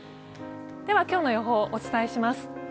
今日の予報をお伝えします。